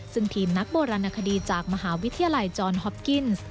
ซึ่งทีมนักโบราณคดีจากมหาวิทยาลัยจอนฮอปกิ้นซ์